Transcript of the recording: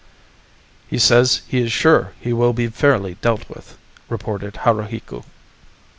"He says he is sure he will be fairly dealt with," reported Haruhiku.